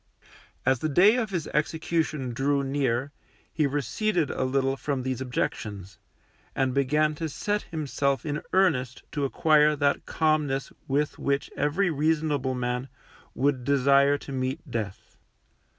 As the day of his execution drew near, he receded a little from these objections, and began to set himself in earnest to acquire that calmness with which every reasonable man would desire to meet death.